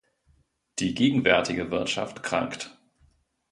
Die gegenwärtige Wirtschaft krankt.